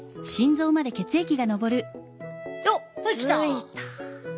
ついた。